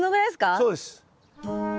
そうです。